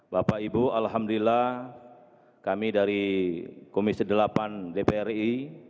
bapak ibu alhamdulillah kami dari komisi delapan dpr ri